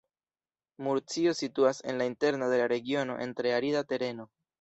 Murcio situas en la interno de la regiono, en tre arida tereno.